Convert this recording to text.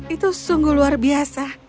itu sungguh luar biasa